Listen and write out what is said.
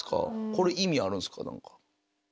これ意味あるんすか何か？